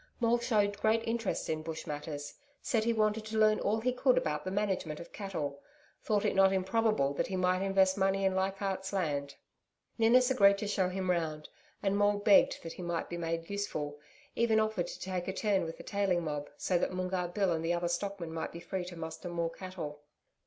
Maule showed great interest in Bush matters said he wanted to learn all he could about the management of cattle thought it not improbable that he might invest money in Leichardt's Land. Ninnis agreed to show him round, and Maule begged that he might be made useful even offered to take a turn with the tailing mob, so that Moongarr Bill and the other stockmen might be free to muster more cattle.